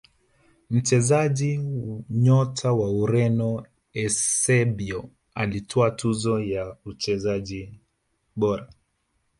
mchezaji nyota wa Ureno eusebio alitwaa tuzo ya uchezaji bora